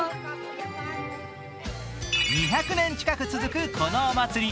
２００年近く続くこのお祭り。